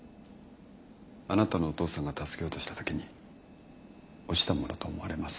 あなたのお父さんが助けようとしたときに落ちたものと思われます。